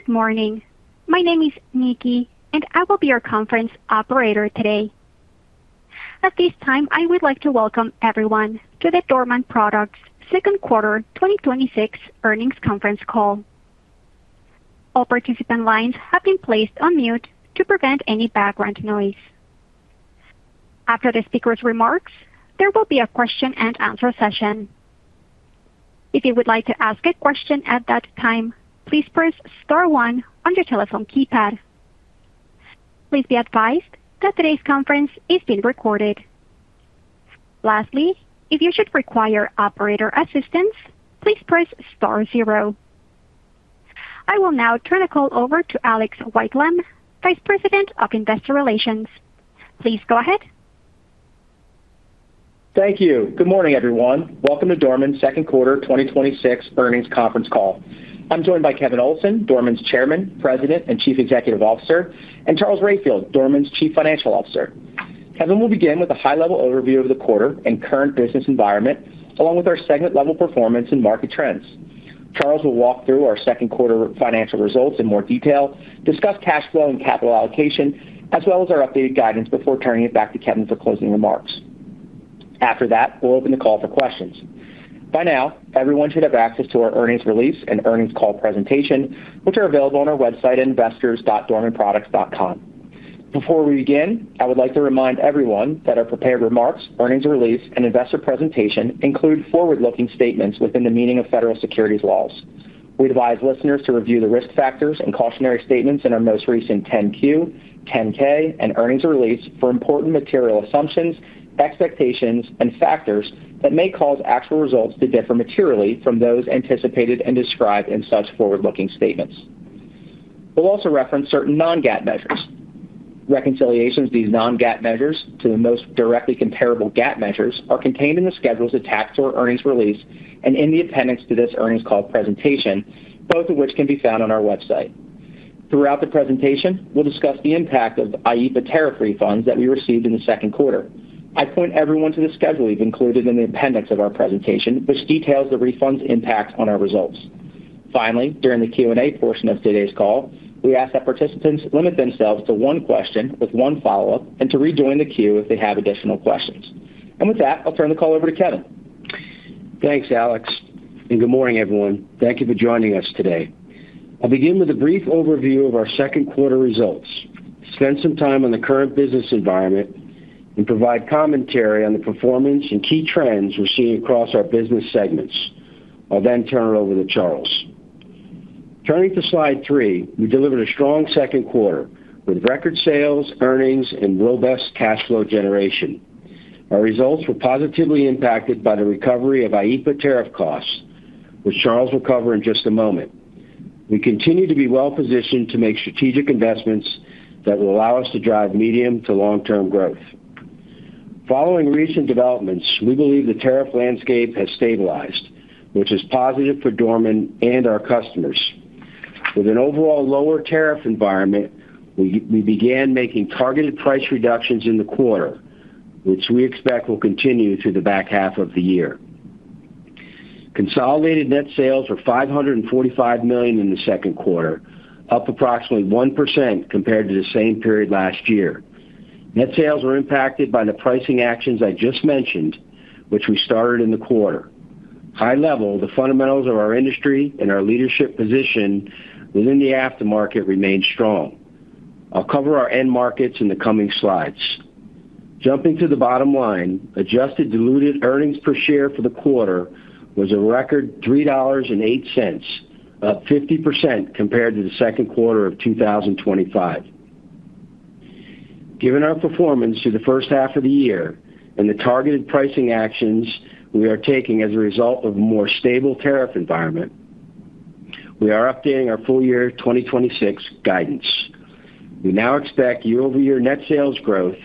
Good morning. My name is Nikki, and I will be your conference operator today. At this time, I would like to welcome everyone to the Dorman Products Second Quarter 2026 Earnings Conference Call. All participant lines have been placed on mute to prevent any background noise. After the speaker's remarks, there will be a question and answer session. If you would like to ask a question at that time, please press star one on your telephone keypad. Please be advised that today's conference is being recorded. Lastly, if you should require operator assistance, please press star zero. I will now turn the call over to Alex Whitelam, Vice President of Investor Relations. Please go ahead. Thank you. Good morning, everyone. Welcome to Dorman's second quarter 2026 earnings conference call. I'm joined by Kevin Olsen, Dorman's Chairman, President, and Chief Executive Officer, and Charles Rayfield, Dorman's Chief Financial Officer. Kevin will begin with a high-level overview of the quarter and current business environment, along with our segment-level performance and market trends. Charles will walk through our second quarter financial results in more detail, discuss cash flow and capital allocation, as well as our updated guidance before turning it back to Kevin for closing remarks. After that, we'll open the call for questions. By now, everyone should have access to our earnings release and earnings call presentation, which are available on our website at investors.dormanproducts.com. Before we begin, I would like to remind everyone that our prepared remarks, earnings release, and investor presentation include forward-looking statements within the meaning of federal securities laws. We'll also reference certain non-GAAP measures. Reconciliations of these non-GAAP measures to the most directly comparable GAAP measures are contained in the schedules attached to our earnings release and in the appendix to this earnings call presentation, both of which can be found on our website. Throughout the presentation, we'll discuss the impact of IEEPA tariff refunds that we received in the second quarter. I point everyone to the schedule we've included in the appendix of our presentation, which details the refund's impact on our results. Finally, during the Q&A portion of today's call, we ask that participants limit themselves to one question with one follow-up and to rejoin the queue if they have additional questions. With that, I'll turn the call over to Kevin. Thanks, Alex, and good morning, everyone. Thank you for joining us today. I'll begin with a brief overview of our second quarter results, spend some time on the current business environment, and provide commentary on the performance and key trends we're seeing across our business segments. I'll then turn it over to Charles. Turning to slide three, we delivered a strong second quarter with record sales, earnings, and robust cash flow generation. Our results were positively impacted by the recovery of IEEPA tariff costs, which Charles will cover in just a moment. We continue to be well-positioned to make strategic investments that will allow us to drive medium to long-term growth. Following recent developments, we believe the tariff landscape has stabilized, which is positive for Dorman and our customers. With an overall lower tariff environment, we began making targeted price reductions in the quarter, which we expect will continue through the back half of the year. Consolidated net sales were $545 million in the second quarter, up approximately 1% compared to the same period last year. Net sales were impacted by the pricing actions I just mentioned, which we started in the quarter. High level, the fundamentals of our industry and our leadership position within the aftermarket remain strong. I'll cover our end markets in the coming slides. Jumping to the bottom line, adjusted diluted earnings per share for the quarter was a record $3.08, up 50% compared to the second quarter of 2025. Given our performance through the first half of the year and the targeted pricing actions we are taking as a result of a more stable tariff environment, we are updating our full year 2026 guidance. We now expect year-over-year net sales growth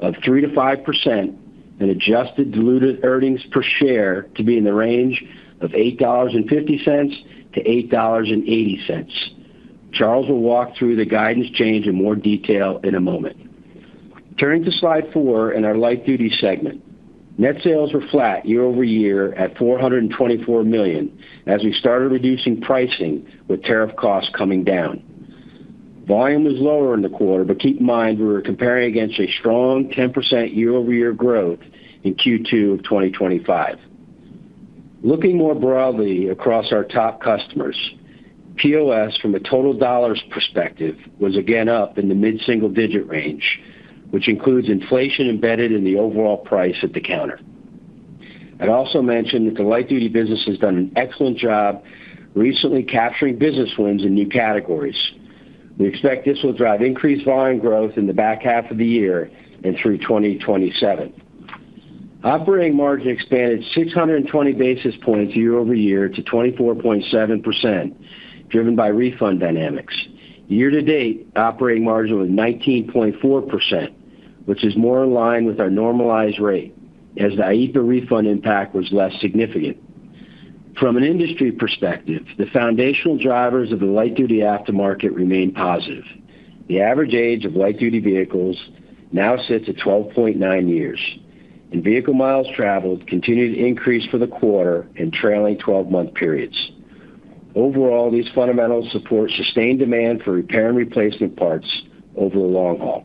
of 3%-5% and adjusted diluted earnings per share to be in the range of $8.50-$8.80. Charles will walk through the guidance change in more detail in a moment. Turning to slide four in our Light Duty segment. Net sales were flat year-over-year at $424 million as we started reducing pricing with tariff costs coming down. Volume was lower in the quarter, but keep in mind we were comparing against a strong 10% year-over-year growth in Q2 of 2025. Looking more broadly across our top customers, POS from a total dollars perspective was again up in the mid-single digit range, which includes inflation embedded in the overall price at the counter. I'd also mention that the Light Duty business has done an excellent job recently capturing business wins in new categories. We expect this will drive increased volume growth in the back half of the year and through 2027. Operating margin expanded 620 basis points year-over-year to 24.7%, driven by refund dynamics. Year to date, operating margin was 19.4%, which is more in line with our normalized rate as the IEEPA refund impact was less significant. From an industry perspective, the foundational drivers of the light duty aftermarket remain positive. The average age of light duty vehicles now sits at 12.9 years. Vehicle miles traveled continued to increase for the quarter in trailing 12-month periods. Overall, these fundamentals support sustained demand for repair and replacement parts over the long haul.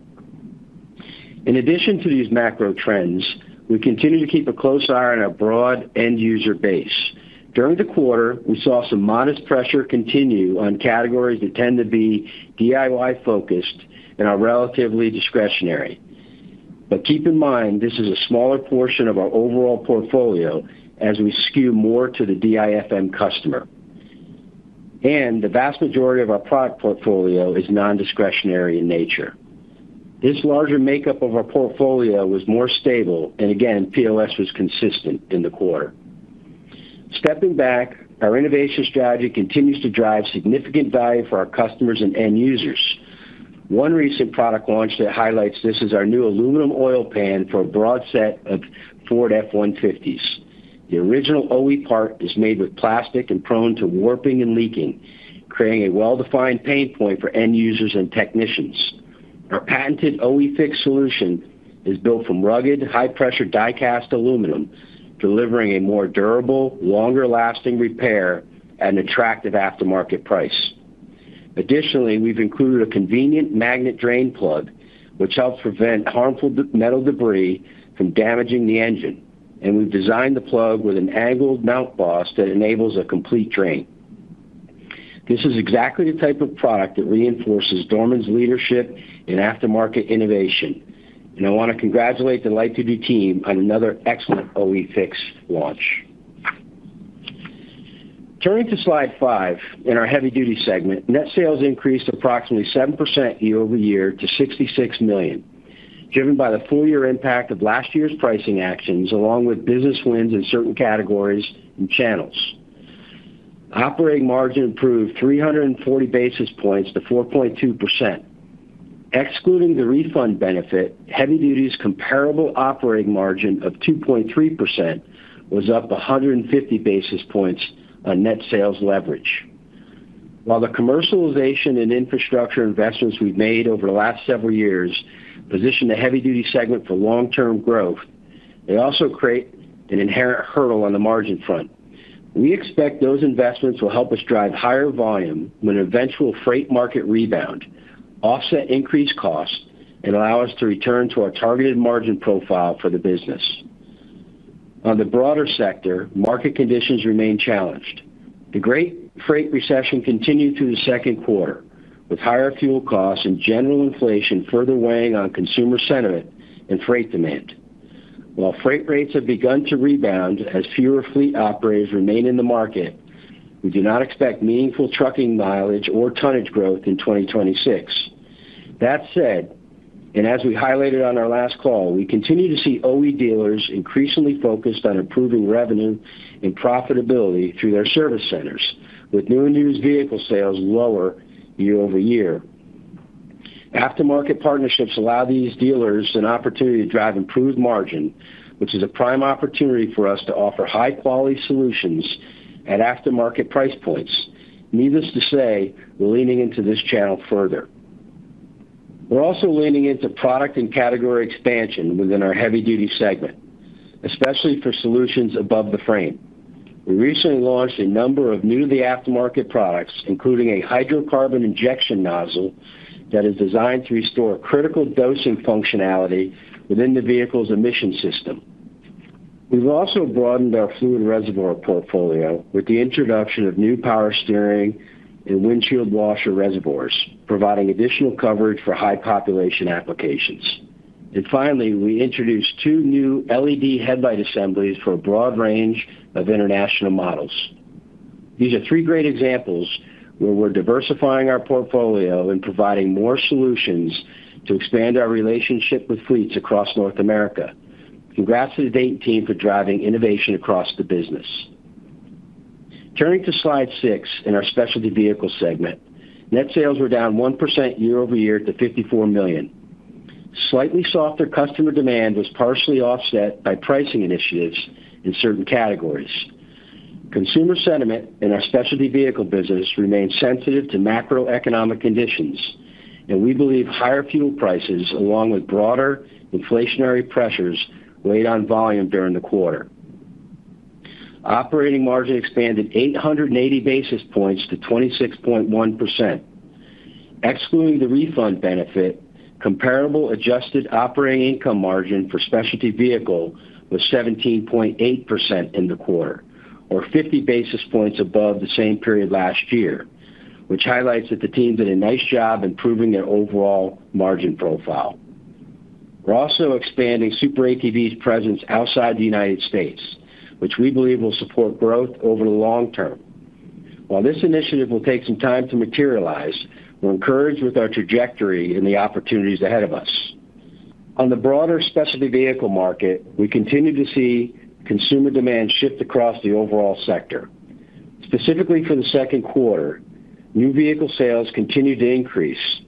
In addition to these macro trends, we continue to keep a close eye on our broad end-user base. During the quarter, we saw some modest pressure continue on categories that tend to be DIY-focused and are relatively discretionary. Keep in mind, this is a smaller portion of our overall portfolio as we skew more to the DIFM customer. The vast majority of our product portfolio is non-discretionary in nature. This larger makeup of our portfolio was more stable, and again, POS was consistent in the quarter. Stepping back, our innovation strategy continues to drive significant value for our customers and end users. One recent product launch that highlights this is our new aluminum oil pan for a broad set of Ford F-150s. The original OE part is made with plastic and prone to warping and leaking, creating a well-defined pain point for end users and technicians. Our patented OE FIX solution is built from rugged, high-pressure die-cast aluminum, delivering a more durable, longer-lasting repair at an attractive aftermarket price. Additionally, we've included a convenient magnet drain plug, which helps prevent harmful metal debris from damaging the engine. We've designed the plug with an angled mount boss that enables a complete drain. This is exactly the type of product that reinforces Dorman's leadership in aftermarket innovation. I want to congratulate the Light Duty team on another excellent OE FIX launch. Turning to slide five in our Heavy Duty segment, net sales increased approximately 7% year-over-year to $66 million, driven by the full year impact of last year's pricing actions, along with business wins in certain categories and channels. Operating margin improved 340 basis points to 4.2%. Excluding the refund benefit, Heavy Duty's comparable operating margin of 2.3% was up 150 basis points on net sales leverage. While the commercialization and infrastructure investments we've made over the last several years position the Heavy Duty segment for long-term growth, they also create an inherent hurdle on the margin front. We expect those investments will help us drive higher volume when an eventual freight market rebound offset increased costs and allow us to return to our targeted margin profile for the business. On the broader sector, market conditions remain challenged. The great freight recession continued through the second quarter, with higher fuel costs and general inflation further weighing on consumer sentiment and freight demand. While freight rates have begun to rebound as fewer fleet operators remain in the market, we do not expect meaningful trucking mileage or tonnage growth in 2026. That said, as we highlighted on our last call, we continue to see OE dealers increasingly focused on improving revenue and profitability through their service centers, with new and used vehicle sales lower year-over-year. Aftermarket partnerships allow these dealers an opportunity to drive improved margin, which is a prime opportunity for us to offer high-quality solutions at aftermarket price points. Needless to say, we're leaning into this channel further. We're also leaning into product and category expansion within our Heavy Duty segment, especially for solutions above the frame. We recently launched a number of new-to-the-aftermarket products, including a hydrocarbon injection nozzle that is designed to restore critical dosing functionality within the vehicle's emission system. We've also broadened our fluid reservoir portfolio with the introduction of new power steering and windshield washer reservoirs, providing additional coverage for high population applications. Finally, we introduced two new LED headlight assemblies for a broad range of international models. These are three great examples where we're diversifying our portfolio and providing more solutions to expand our relationship with fleets across North America. Congrats to the team for driving innovation across the business. Turning to slide six in our Specialty Vehicle segment, net sales were down 1% year-over-year to $54 million. Slightly softer customer demand was partially offset by pricing initiatives in certain categories. Consumer sentiment in our Specialty Vehicle business remains sensitive to macroeconomic conditions, and we believe higher fuel prices, along with broader inflationary pressures, weighed on volume during the quarter. Operating margin expanded 880 basis points to 26.1%. Excluding the refund benefit, comparable adjusted operating income margin for Specialty Vehicle was 17.8% in the quarter or 50 basis points above the same period last year, which highlights that the team did a nice job improving their overall margin profile. We're also expanding SuperATV's presence outside the U.S., which we believe will support growth over the long term. While this initiative will take some time to materialize, we're encouraged with our trajectory and the opportunities ahead of us. On the broader Specialty Vehicle market, we continue to see consumer demand shift across the overall sector. Specifically for the second quarter, new vehicle sales continued to increase,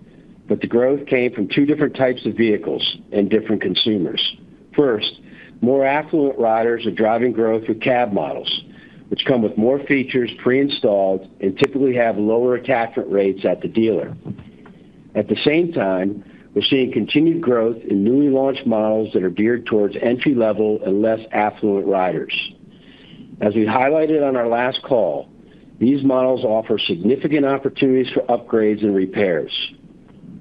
but the growth came from two different types of vehicles and different consumers. First, more affluent riders are driving growth through cab models, which come with more features pre-installed and typically have lower attachment rates at the dealer. At the same time, we're seeing continued growth in newly launched models that are geared towards entry-level and less affluent riders. As we highlighted on our last call, these models offer significant opportunities for upgrades and repairs.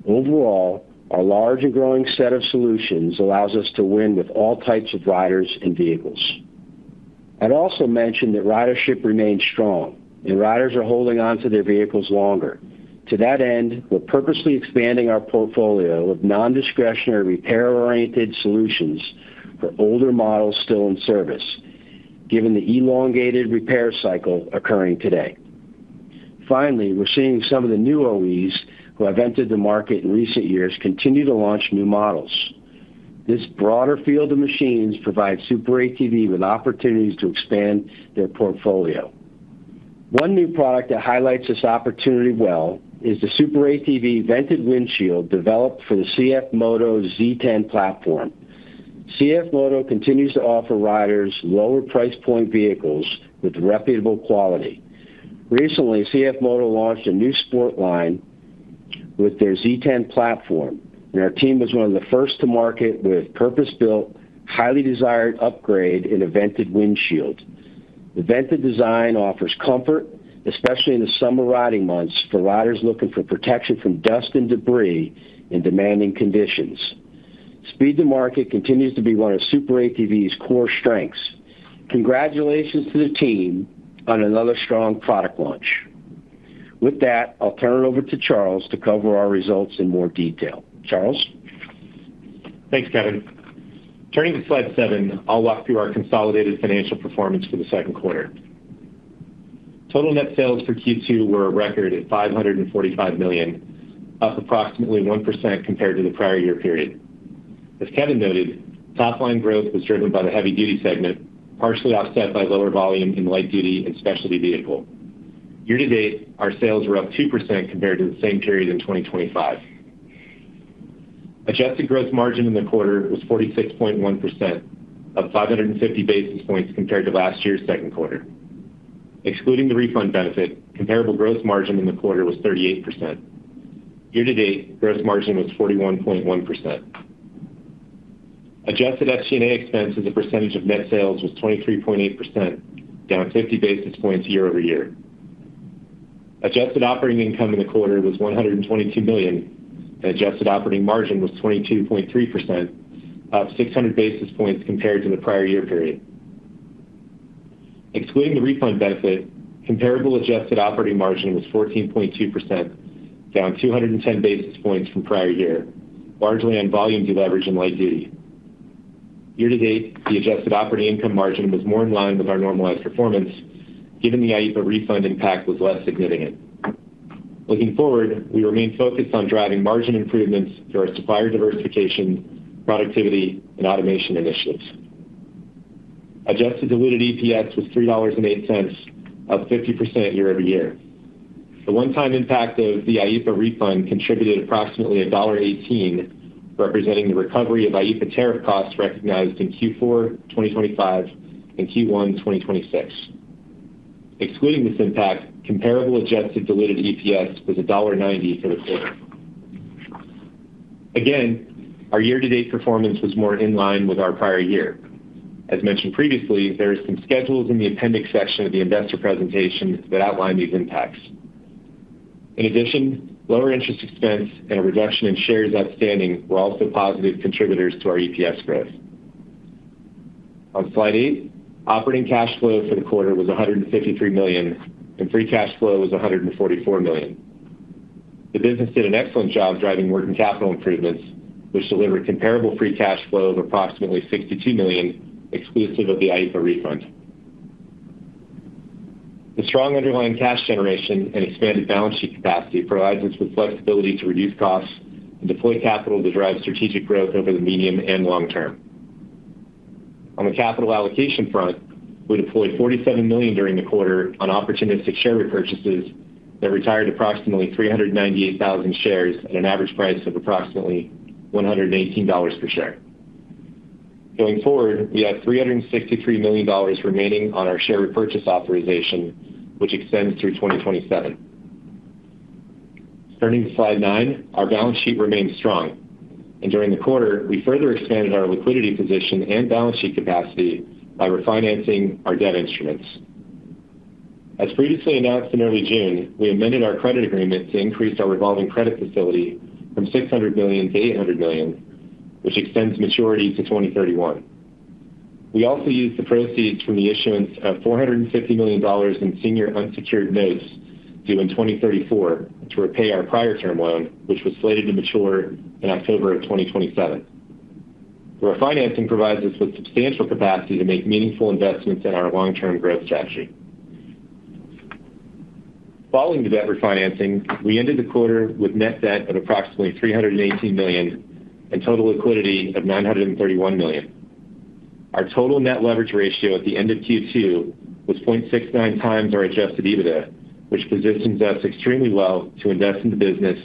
Overall, our large and growing set of solutions allows us to win with all types of riders and vehicles. I'd also mentioned that ridership remains strong, and riders are holding onto their vehicles longer. To that end, we're purposely expanding our portfolio of non-discretionary repair-oriented solutions for older models still in service, given the elongated repair cycle occurring today. Finally, we're seeing some of the new OEs who have entered the market in recent years continue to launch new models. This broader field of machines provides SuperATV with opportunities to expand their portfolio. One new product that highlights this opportunity well is the SuperATV vented windshield developed for the CFMOTO Z10 platform. CFMOTO continues to offer riders lower price point vehicles with reputable quality. Recently, CFMOTO launched a new sport line with their Z10 platform, and our team was one of the first to market with a purpose-built, highly desired upgrade and a vented windshield. The vented design offers comfort, especially in the summer riding months for riders looking for protection from dust and debris in demanding conditions. Speed to market continues to be one of SuperATV's core strengths. Congratulations to the team on another strong product launch. With that, I'll turn it over to Charles to cover our results in more detail. Charles? Thanks, Kevin. Turning to slide seven, I'll walk through our consolidated financial performance for the second quarter. Total net sales for Q2 were a record at $545 million, up approximately 1% compared to the prior year period. As Kevin noted, top-line growth was driven by the Heavy Duty segment, partially offset by lower volume in Light Duty and Specialty Vehicle. Year to date, our sales were up 2% compared to the same period in 2025. Adjusted gross margin in the quarter was 46.1%, up 550 basis points compared to last year's second quarter. Excluding the refund benefit, comparable gross margin in the quarter was 38%. Year to date, gross margin was 41.1%. Adjusted SG&A expense as a percentage of net sales was 23.8%, down 50 basis points year-over-year. Adjusted operating income in the quarter was $122 million, adjusted operating margin was 22.3%, up 600 basis points compared to the prior year period. Excluding the refund benefit, comparable adjusted operating margin was 14.2%, down 210 basis points from prior year, largely on volume deleverage and Light Duty. Year to date, the adjusted operating income margin was more in line with our normalized performance, given the IEEPA refund impact was less significant. Looking forward, we remain focused on driving margin improvements through our supplier diversification, productivity, and automation initiatives. Adjusted diluted EPS was $3.08, up 50% year-over-year. The one-time impact of the IEEPA refund contributed approximately $1.18, representing the recovery of IEEPA tariff costs recognized in Q4 2025 and Q1 2026. Excluding this impact, comparable adjusted diluted EPS was $1.90 for the quarter. Our year-to-date performance was more in line with our prior year. As mentioned previously, there are some schedules in the appendix section of the investor presentation that outline these impacts. In addition, lower interest expense and a reduction in shares outstanding were also positive contributors to our EPS growth. On slide eight, operating cash flow for the quarter was $153 million, free cash flow was $144 million. The business did an excellent job driving working capital improvements, which delivered comparable free cash flow of approximately $62 million, exclusive of the IEEPA refund. The strong underlying cash generation and expanded balance sheet capacity provides us with flexibility to reduce costs and deploy capital to drive strategic growth over the medium and long term. On the capital allocation front, we deployed $47 million during the quarter on opportunistic share repurchases that retired approximately 398,000 shares at an average price of approximately $118 per share. Going forward, we have $363 million remaining on our share repurchase authorization, which extends through 2027. Turning to slide nine, our balance sheet remains strong. During the quarter, we further expanded our liquidity position and balance sheet capacity by refinancing our debt instruments. As previously announced in early June, we amended our credit agreement to increase our revolving credit facility from $600 million to $800 million, which extends maturity to 2031. We also used the proceeds from the issuance of $450 million in senior unsecured notes due in 2034 to repay our prior term loan, which was slated to mature in October of 2027. The refinancing provides us with substantial capacity to make meaningful investments in our long-term growth strategy. Following the debt refinancing, we ended the quarter with net debt of approximately $318 million and total liquidity of $931 million. Our total net leverage ratio at the end of Q2 was 0.69 times our adjusted EBITDA, which positions us extremely well to invest in the business,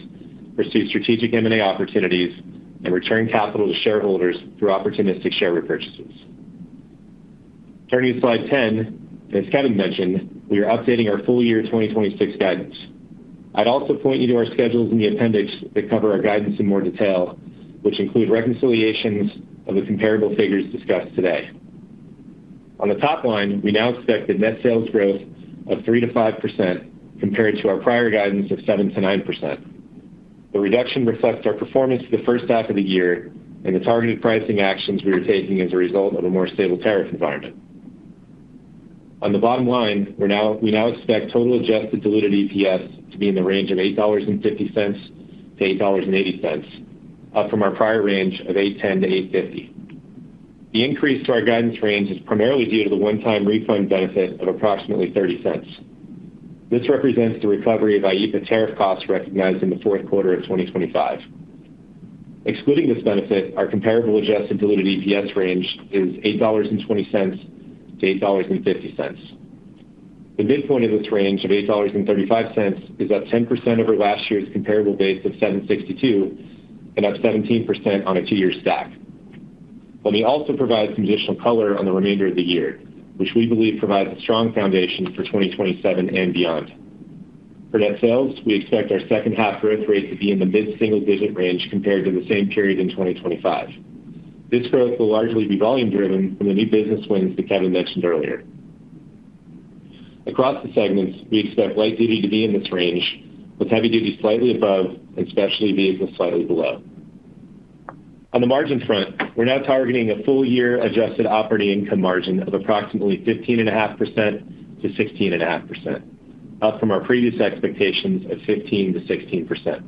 pursue strategic M&A opportunities, and return capital to shareholders through opportunistic share repurchases. Turning to slide 10, as Kevin mentioned, we are updating our full year 2026 guidance. I'd also point you to our schedules in the appendix that cover our guidance in more detail, which include reconciliations of the comparable figures discussed today. On the top line, we now expect a net sales growth of 3%-5% compared to our prior guidance of 7%-9%. The reduction reflects our performance for the first half of the year and the targeted pricing actions we are taking as a result of a more stable tariff environment. On the bottom line, we now expect total adjusted diluted EPS to be in the range of $8.50-$8.80, up from our prior range of $8.10-$8.50. The increase to our guidance range is primarily due to the one-time refund benefit of approximately $0.30. This represents the recovery of IEEPA tariff costs recognized in the fourth quarter of 2025. Excluding this benefit, our comparable adjusted diluted EPS range is $8.20-$8.50. The midpoint of this range of $8.35 is up 10% over last year's comparable base of $7.62, and up 17% on a two-year stack. Let me also provide some additional color on the remainder of the year, which we believe provides a strong foundation for 2027 and beyond. For net sales, we expect our second half growth rate to be in the mid-single digit range compared to the same period in 2025. This growth will largely be volume driven from the new business wins that Kevin mentioned earlier. Across the segments, we expect Light Duty to be in this range, with Heavy Duty slightly above, and Specialty vehicles slightly below. On the margin front, we're now targeting a full year adjusted operating income margin of approximately 15.5%-16.5%, up from our previous expectations of 15%-16%.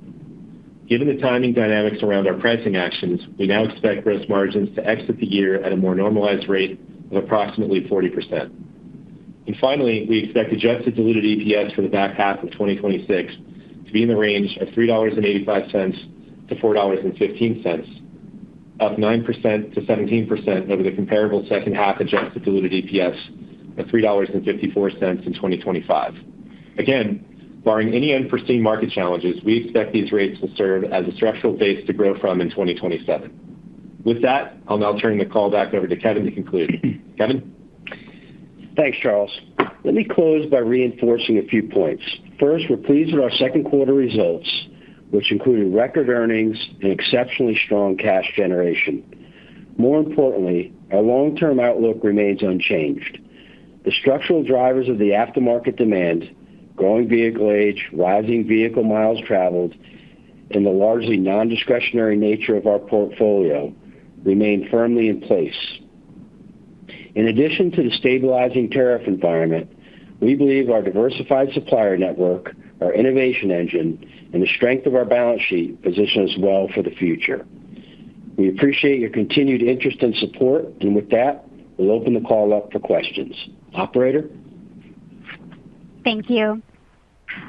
Given the timing dynamics around our pricing actions, we now expect gross margins to exit the year at a more normalized rate of approximately 40%. Finally, we expect adjusted diluted EPS for the back half of 2026 to be in the range of $3.85-$4.15, up 9%-17% over the comparable second half adjusted diluted EPS of $3.54 in 2025. Again, barring any unforeseen market challenges, we expect these rates to serve as a structural base to grow from in 2027. With that, I'll now turn the call back over to Kevin to conclude. Kevin? Thanks, Charles. Let me close by reinforcing a few points. First, we're pleased with our second quarter results, which included record earnings and exceptionally strong cash generation. More importantly, our long-term outlook remains unchanged. The structural drivers of the aftermarket demand, growing vehicle age, rising vehicle miles traveled, and the largely non-discretionary nature of our portfolio remain firmly in place. In addition to the stabilizing tariff environment, we believe our diversified supplier network, our innovation engine, and the strength of our balance sheet position us well for the future. We appreciate your continued interest and support, and with that, we'll open the call up for questions. Operator? Thank you.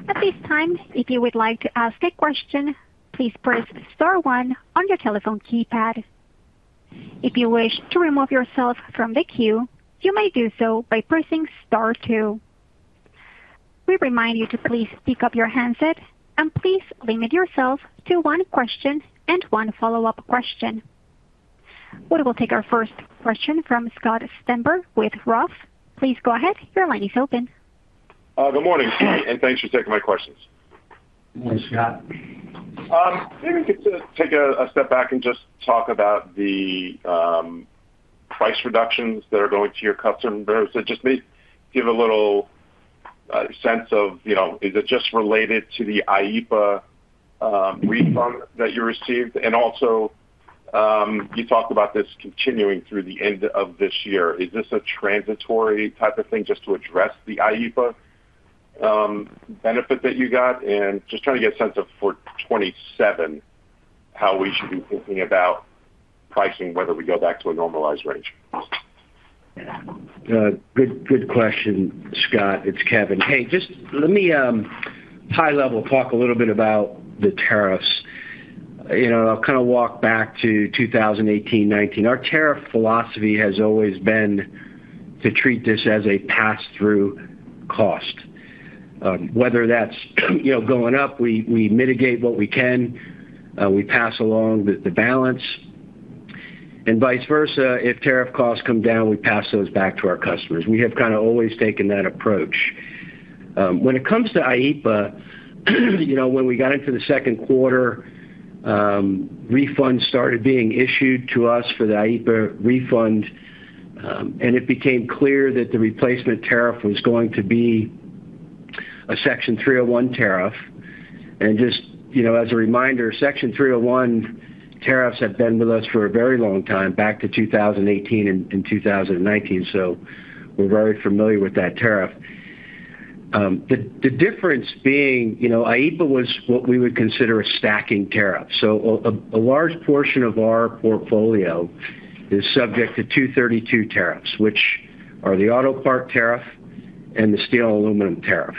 At this time, if you would like to ask a question, please press star one on your telephone keypad. If you wish to remove yourself from the queue, you may do so by pressing star two. We remind you to please pick up your handset and please limit yourself to one question and one follow-up question. We will take our first question from Scott Stember with Roth. Please go ahead. Your line is open. Good morning to you, and thanks for taking my questions. Morning, Scott. Maybe we could take a step back and just talk about the price reductions that are going to your customers. Just maybe give a little sense of, is it just related to the IEEPA refund that you received? You talked about this continuing through the end of this year. Is this a transitory type of thing just to address the IEEPA benefit that you got? Just trying to get a sense of for 2027, how we should be thinking about pricing, whether we go back to a normalized range. Yeah. Good question, Scott. It's Kevin. Just let me high level talk a little bit about the tariffs. I'll kind of walk back to 2018, 2019. Our tariff philosophy has always been to treat this as a pass-through cost. Whether that's going up, we mitigate what we can, we pass along the balance, and vice versa, if tariff costs come down, we pass those back to our customers. We have kind of always taken that approach. When it comes to IEEPA, when we got into the second quarter, refunds started being issued to us for the IEEPA refund, and it became clear that the replacement tariff was going to be a Section 301 tariff. As a reminder, Section 301 tariffs have been with us for a very long time, back to 2018 and 2019, so we're very familiar with that tariff. The difference being, IEEPA was what we would consider a stacking tariff. A large portion of our portfolio is subject to Section 232 tariffs, which are the auto part tariff and the steel aluminum tariff.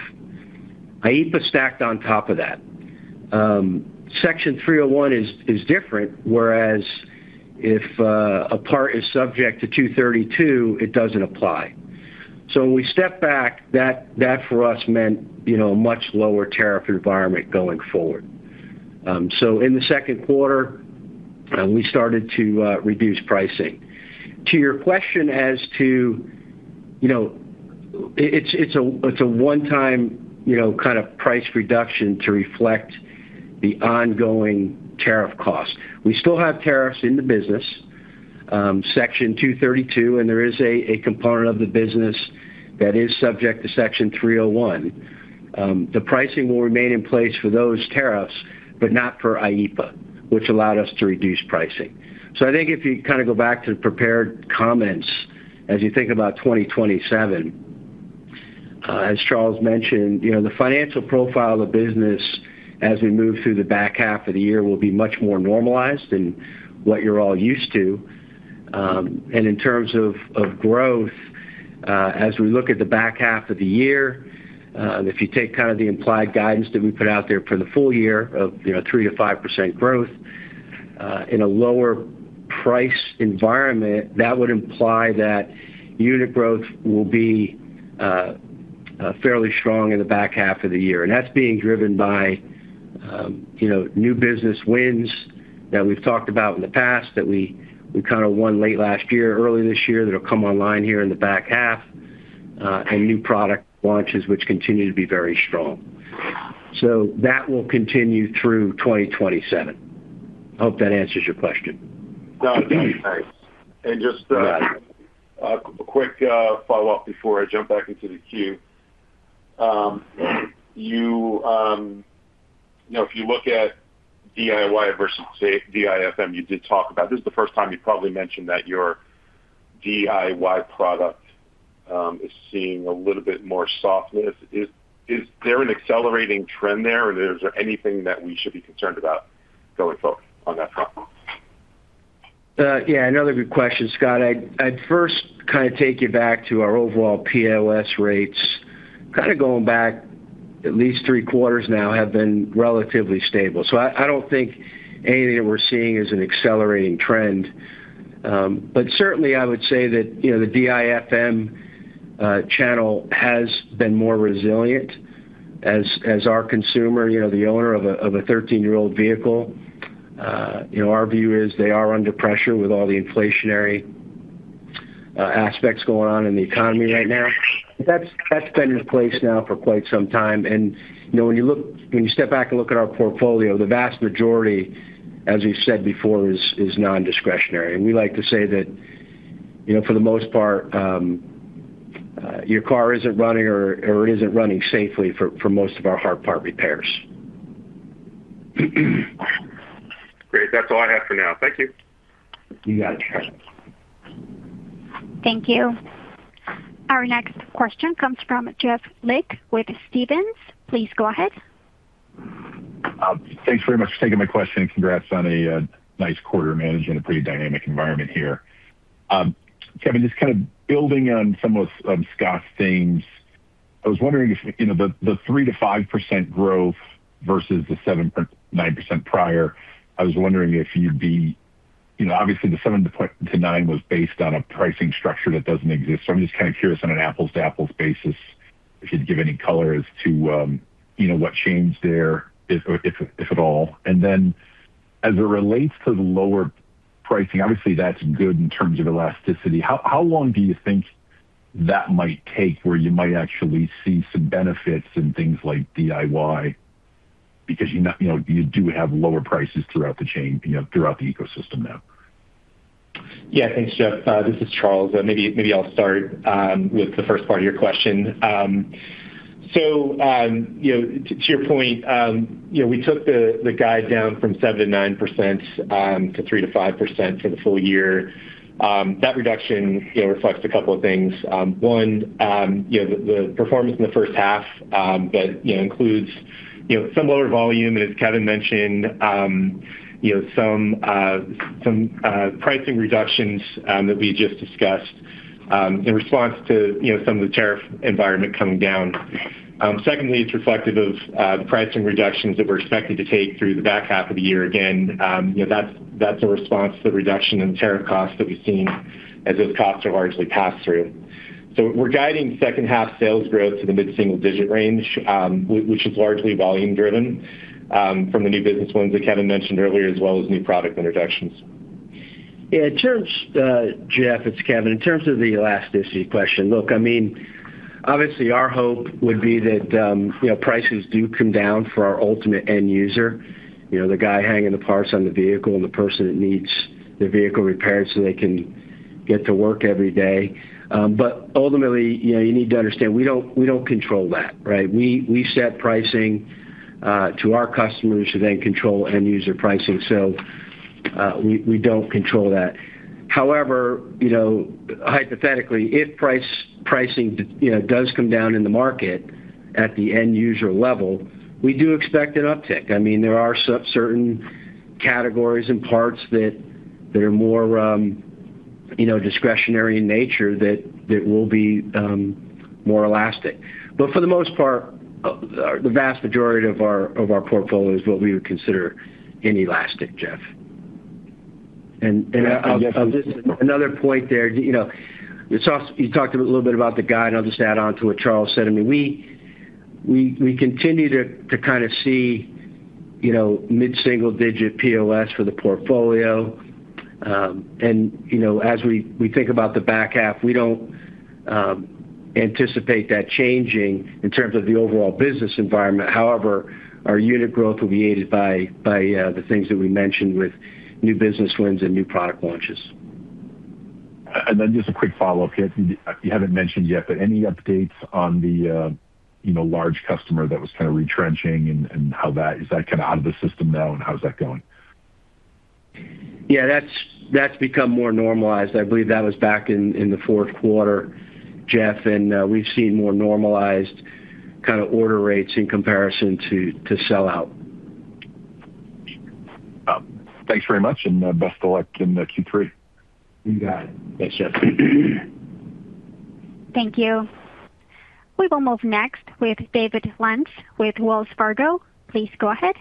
IEEPA stacked on top of that. Section 301 is different, whereas if a part is subject to Section 232, it doesn't apply. When we stepped back, that for us meant a much lower tariff environment going forward. In the second quarter, we started to reduce pricing. To your question, it's a one-time kind of price reduction to reflect the ongoing tariff costs. We still have tariffs in the business, Section 232, and there is a component of the business that is subject to Section 301. The pricing will remain in place for those tariffs, but not for IEEPA, which allowed us to reduce pricing. I think if you go back to the prepared comments, as you think about 2027, as Charles mentioned, the financial profile of the business as we move through the back half of the year will be much more normalized than what you're all used to. If you take the implied guidance that we put out there for the full year of 3%-5% growth, in a lower price environment, that would imply that unit growth will be fairly strong in the back half of the year. That's being driven by new business wins that we've talked about in the past that we won late last year, early this year, that'll come online here in the back half, and new product launches, which continue to be very strong. That will continue through 2027. I hope that answers your question. No, it did. Thanks. Just a quick follow-up before I jump back into the queue. If you look at DIY versus DIFM, you did talk about, this is the first time you probably mentioned that your DIY product is seeing a little bit more softness. Is there an accelerating trend there, or is there anything that we should be concerned about going forward on that front? Yeah, another good question, Scott. I'd first take you back to our overall POS rates. Going back at least three quarters now have been relatively stable. I don't think anything that we're seeing is an accelerating trend. Certainly, I would say that the DIFM channel has been more resilient as our consumer, the owner of a 13-year-old vehicle. Our view is they are under pressure with all the inflationary aspects going on in the economy right now. That's been in place now for quite some time. When you step back and look at our portfolio, the vast majority, as we said before, is non-discretionary. We like to say that, for the most part, your car isn't running or isn't running safely for most of our hard part repairs. Great. That's all I have for now. Thank you. You got it. Thank you. Our next question comes from Jeff Lick with Stephens. Please go ahead. Thanks very much for taking my question, and congrats on a nice quarter, managing a pretty dynamic environment here. Kevin, just building on some of Scott's themes, I was wondering if the 3%-5% growth versus the 7%-9% prior, I was wondering if you'd be. Obviously, the 7%-9% was based on a pricing structure that doesn't exist. I'm just curious on an apples-to-apples basis, if you'd give any color as to what changed there, if at all. As it relates to the lower pricing, obviously, that's good in terms of elasticity. How long do you think that might take where you might actually see some benefits in things like DIY? Because you do have lower prices throughout the chain, throughout the ecosystem now. Yeah. Thanks, Jeff. This is Charles. Maybe I'll start with the first part of your question. To your point, we took the guide down from 7%-9% to 3%-5% for the full year. That reduction reflects a couple of things. One, the performance in the first half that includes some lower volume, and as Kevin mentioned, some pricing reductions that we just discussed in response to some of the tariff environment coming down. Secondly, it's reflective of the pricing reductions that we're expecting to take through the back half of the year. Again, that's a response to the reduction in tariff costs that we've seen as those costs are largely passed through. We're guiding second half sales growth to the mid-single digit range, which is largely volume driven from the new business wins that Kevin mentioned earlier, as well as new product introductions. Yeah. Jeff, it's Kevin. In terms of the elasticity question, look, obviously our hope would be that prices do come down for our ultimate end user, the guy hanging the parts on the vehicle and the person that needs their vehicle repaired so they can get to work every day. Ultimately, you need to understand, we don't control that, right? We set pricing to our customers who then control end user pricing. We don't control that. However, hypothetically, if pricing does come down in the market at the end user level, we do expect an uptick. There are certain categories and parts that are more discretionary in nature that will be more elastic. For the most part, the vast majority of our portfolio is what we would consider inelastic, Jeff. I'll just add another point there. You talked a little bit about the guide, I'll just add on to what Charles said. We continue to kind of see mid-single digit POS for the portfolio. As we think about the back half, we don't anticipate that changing in terms of the overall business environment. However, our unit growth will be aided by the things that we mentioned with new business wins and new product launches. Just a quick follow-up here. You haven't mentioned yet, any updates on the large customer that was kind of retrenching and is that kind of out of the system now and how's that going? Yeah, that's become more normalized. I believe that was back in the fourth quarter, Jeff, we've seen more normalized kind of order rates in comparison to sell-out. Thanks very much and best of luck in Q3. You got it. Thanks, Jeff. Thank you. We will move next with David Lantz with Wells Fargo. Please go ahead.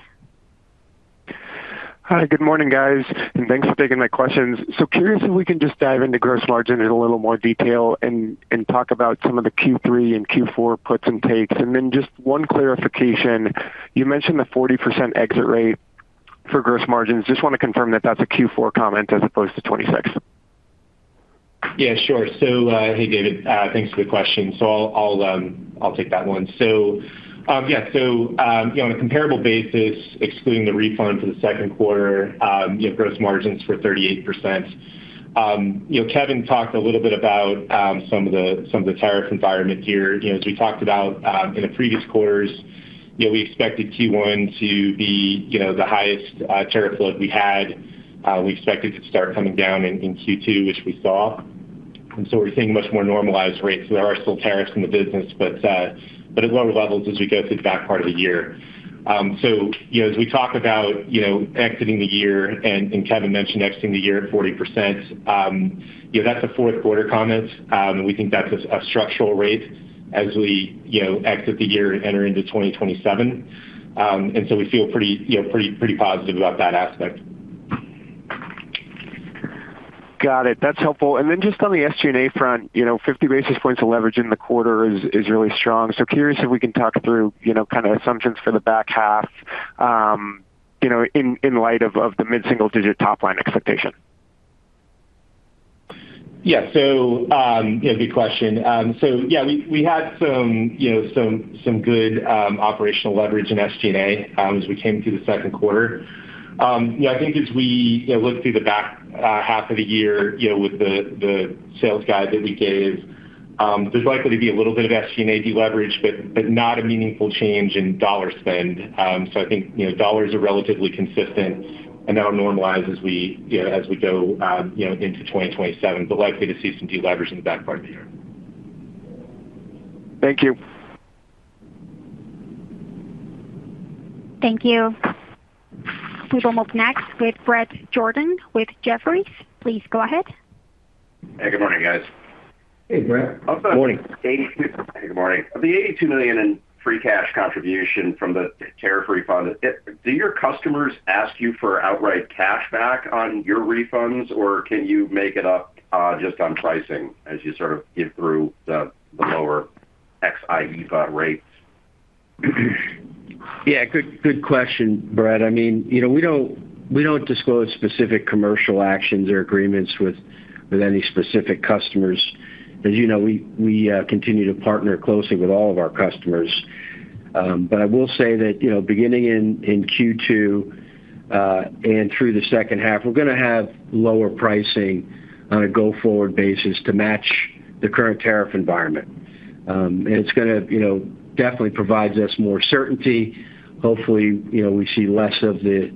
Hi. Good morning, guys, and thanks for taking my questions. Curious if we can just dive into gross margin in a little more detail and talk about some of the Q3 and Q4 puts and takes. Just one clarification, you mentioned the 40% exit rate for gross margins. Just want to confirm that that's a Q4 comment as opposed to 2026. Yeah, sure. Hey, David. Thanks for the question. I'll take that one. On a comparable basis, excluding the refund for the second quarter, gross margins were 38%. Kevin talked a little bit about some of the tariff environment here. We talked about in the previous quarters, we expected Q1 to be the highest tariff load we had. We expected to start coming down in Q2, which we saw. We're seeing much more normalized rates. There are still tariffs in the business, but at lower levels as we go through the back part of the year. As we talk about exiting the year, Kevin mentioned exiting the year at 40%, that's a fourth quarter comment. We think that's a structural rate as we exit the year and enter into 2027. We feel pretty positive about that aspect. Got it. That's helpful. Just on the SG&A front, 50 basis points of leverage in the quarter is really strong. Curious if we can talk through kind of assumptions for the back half in light of the mid-single digit top line expectation. Yeah. Good question. We had some good operational leverage in SG&A as we came through the second quarter. I think as we look through the back half of the year with the sales guide that we gave, there's likely to be a little bit of SG&A deleverage, but not a meaningful change in dollar spend. I think dollars are relatively consistent and that'll normalize as we go into 2027, but likely to see some deleverage in the back part of the year. Thank you. Thank you. We will move next with Bret Jordan with Jefferies. Please go ahead. Hey, good morning, guys. Hey, Bret. Morning. Hey, good morning. Of the $82 million in free cash contribution from the tariff refund, do your customers ask you for outright cash back on your refunds, or can you make it up just on pricing as you sort of get through the lower IEEPA rates? Yeah, good question, Bret. We don't disclose specific commercial actions or agreements with any specific customers. As you know, we continue to partner closely with all of our customers. I will say that beginning in Q2 and through the second half, we're going to have lower pricing on a go-forward basis to match the current tariff environment. It definitely provides us more certainty. Hopefully, we see less of the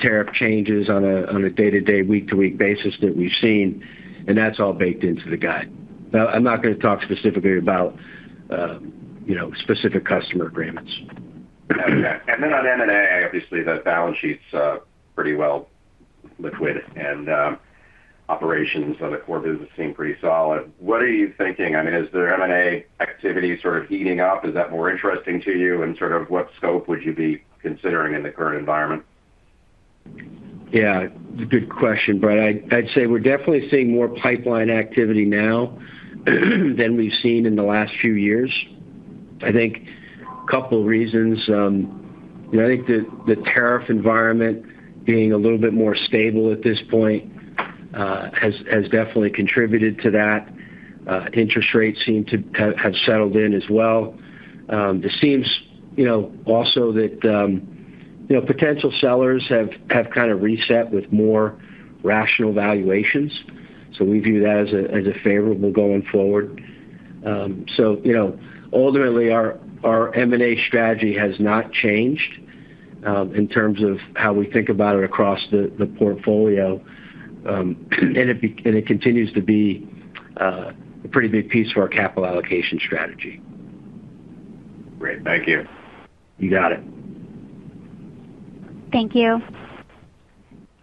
tariff changes on a day-to-day, week-to-week basis that we've seen, and that's all baked into the guide. I'm not going to talk specifically about specific customer agreements. On M&A, obviously the balance sheet's pretty well liquid, and operations of the core business seem pretty solid. What are you thinking? Is their M&A activity sort of heating up? Is that more interesting to you? What scope would you be considering in the current environment? Yeah, good question, Bret. I'd say we're definitely seeing more pipeline activity now than we've seen in the last few years. I think a couple of reasons. I think the tariff environment being a little bit more stable at this point has definitely contributed to that. Interest rates seem to have settled in as well. This seems also that potential sellers have kind of reset with more rational valuations. We view that as a favorable going forward. Ultimately our M&A strategy has not changed in terms of how we think about it across the portfolio. It continues to be a pretty big piece for our capital allocation strategy. Great. Thank you. You got it. Thank you.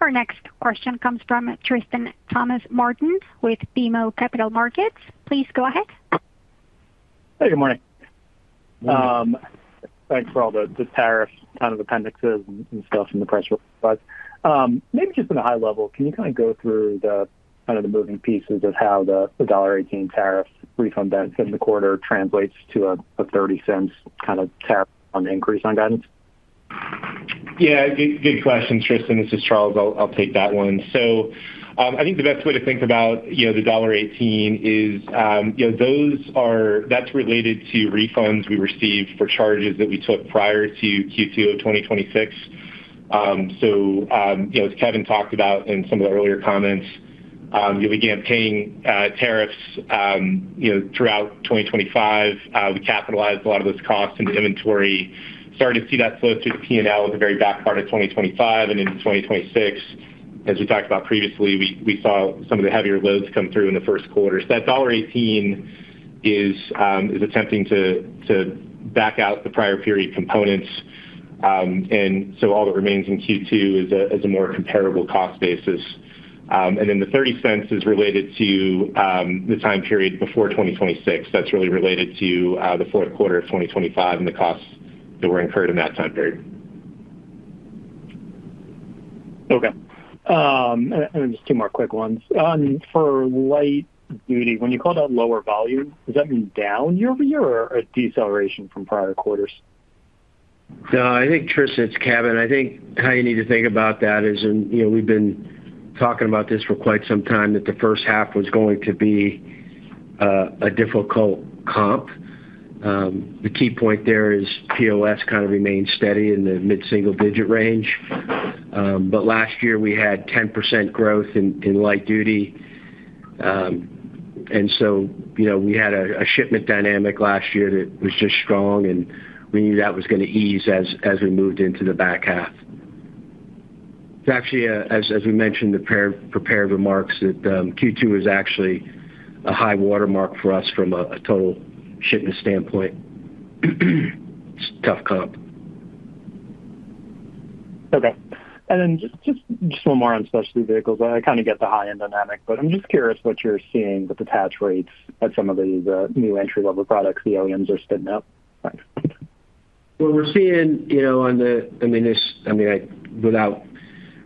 Our next question comes from Tristan Thomas-Martin with BMO Capital Markets. Please go ahead. Hey, good morning. Thanks for all the tariff kind of appendixes and stuff in the press release. Maybe just at a high level, can you kind of go through the moving pieces of how the $1.18 tariff refund in the quarter translates to a $0.30 kind of tariff on the increase on guidance? Yeah. Good question, Tristan. This is Charles. I'll take that one. I think the best way to think about the $1.18 is that's related to refunds we received for charges that we took prior to Q2 of 2026. As Kevin talked about in some of the earlier comments, we began paying tariffs throughout 2025. We capitalized a lot of those costs into inventory. Started to see that flow through the P&L at the very back part of 2025 and into 2026. As we talked about previously, we saw some of the heavier loads come through in the first quarter. That $1.18 is attempting to back out the prior period components. All that remains in Q2 is a more comparable cost basis. The $0.30 is related to the time period before 2026. That's really related to the fourth quarter of 2025 and the costs that were incurred in that time period. Okay. Just two more quick ones. For Light Duty, when you call that lower volume, does that mean down year-over-year or a deceleration from prior quarters? No, I think, Tristan, it's Kevin. I think how you need to think about that is, we've been talking about this for quite some time, that the first half was going to be a difficult comp. The key point there is POS kind of remained steady in the mid-single digit range. Last year we had 10% growth in Light Duty. We had a shipment dynamic last year that was just strong, and we knew that was going to ease as we moved into the back half. It's actually, as we mentioned in the prepared remarks, that Q2 was actually a high watermark for us from a total shipment standpoint. It's a tough comp. Okay. Just a little more on Specialty Vehicle. I kind of get the high-end dynamic, I'm just curious what you're seeing with attach rates at some of the new entry-level products the OEMs are spinning up. Well, without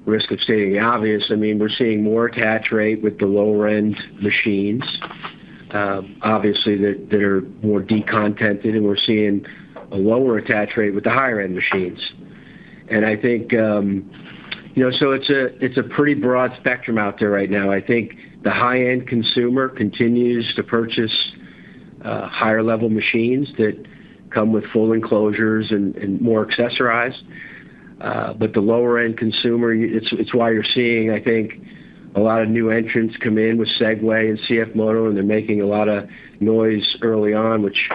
risk of stating the obvious, we're seeing more attach rate with the lower-end machines. Obviously, that are more de-contented, and we're seeing a lower attach rate with the higher-end machines. It's a pretty broad spectrum out there right now. I think the high-end consumer continues to purchase higher-level machines that come with full enclosures and more accessorized. The lower-end consumer, it's why you're seeing, I think, a lot of new entrants come in with Segway and CFMOTO, and they're making a lot of noise early on, which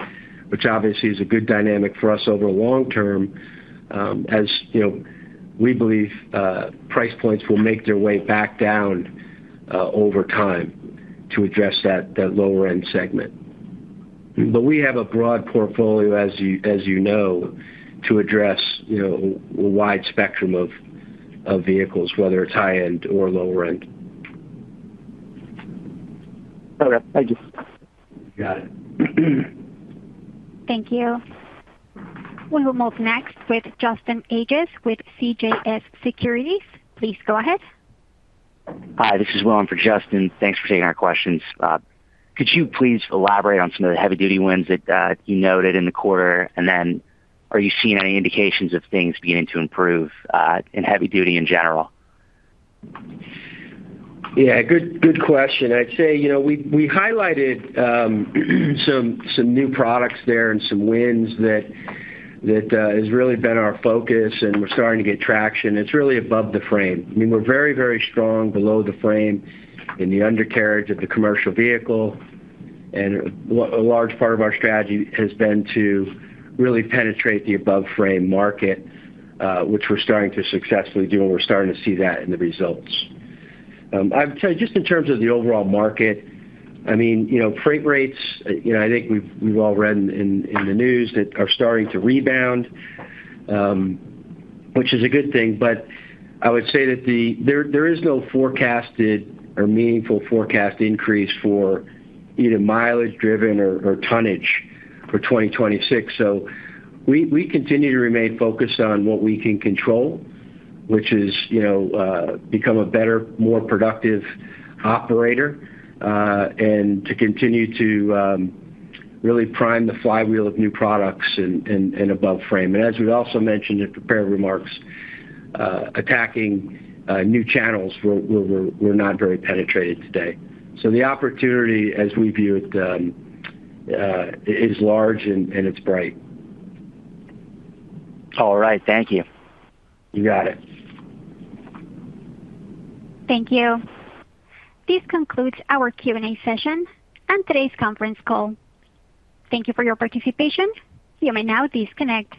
obviously is a good dynamic for us over long term. As we believe price points will make their way back down over time to address that lower-end segment. We have a broad portfolio, as you know, to address a wide spectrum of vehicles, whether it's high-end or lower-end. Okay, thank you. Got it. Thank you. We will move next with Justin Ages with CJS Securities. Please go ahead. Hi, this is Will in for Justin. Thanks for taking our questions. Could you please elaborate on some of the Heavy Duty wins that you noted in the quarter? Are you seeing any indications of things beginning to improve in Heavy Duty in general? Yeah. Good question. I'd say we highlighted some new products there and some wins that has really been our focus, and we're starting to get traction. It's really above the frame. We're very strong below the frame in the undercarriage of the commercial vehicle, and a large part of our strategy has been to really penetrate the above-frame market, which we're starting to successfully do, and we're starting to see that in the results. I'd say just in terms of the overall market, freight rates, I think we've all read in the news that are starting to rebound, which is a good thing, but I would say that there is no forecasted or meaningful forecast increase for either mileage driven or tonnage for 2026. We continue to remain focused on what we can control, which is become a better, more productive operator, and to continue to really prime the flywheel of new products in above frame. As we also mentioned in prepared remarks, attacking new channels where we're not very penetrated today. The opportunity, as we view it, is large and it's bright. All right. Thank you. You got it. Thank you. This concludes our Q&A session and today's conference call. Thank you for your participation. You may now disconnect.